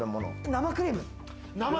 生クリーム。